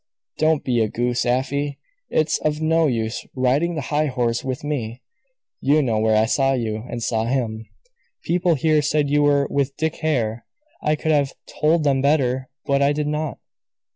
"Don't be a goose, Afy. It's of no use riding the high horse with me. You know where I saw you and saw him. People here said you were with Dick Hare; I could have told them better; but I did not.